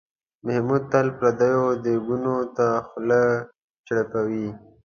محمود تل پردیو دیګونو ته خوله چړپوي.